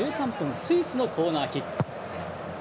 スイスのコーナーキック。